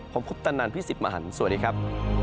ผมคุณตนันพี่สิบหมาหันสวัสดีครับ